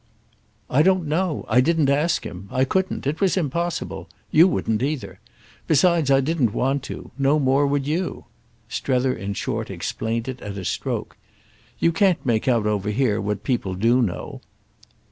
"I don't know. I didn't ask him. I couldn't. It was impossible. You wouldn't either. Besides I didn't want to. No more would you." Strether in short explained it at a stroke. "You can't make out over here what people do know."